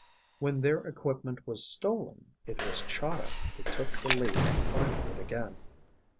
When their equipment was stolen, it was Chahda who took the lead in finding it again.